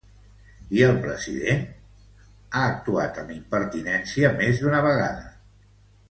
I el president espanyol ha actuat amb impertinència més d’una vegada.